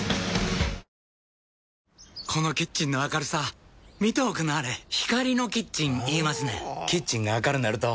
このキッチンの明るさ見ておくんなはれ光のキッチン言いますねんほぉキッチンが明るなると・・・